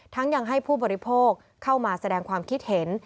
ยังให้ผู้บริโภคเข้ามาแสดงความคิดเห็น